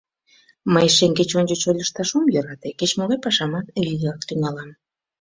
— Мый шеҥгеч-ончыч ойлышташ ом йӧрате, кеч-могай пашамат вигак тӱҥалам.